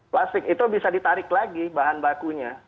plastik itu bisa ditarik lagi bahan bakunya